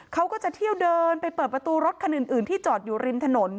เขาก็จะเที่ยวเดินไปเปิดประตูรถคันอื่นที่จอดอยู่ริมถนน